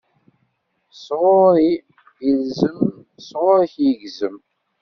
S ɣuṛ-i ilzem, s ɣuṛ-k igzem.